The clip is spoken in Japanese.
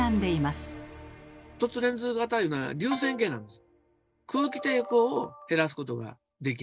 レンズ型いうのは流線型なんです。